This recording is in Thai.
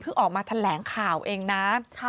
คือออกมาแถลงข่าวเองนะ